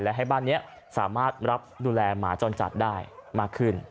และให้บ้านนี้สามารถรับดูแลหมาจรจัดได้มากขึ้น